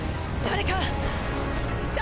誰か！